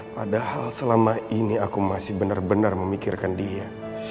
padahal selama ini aku masih benar benar memikirkan dia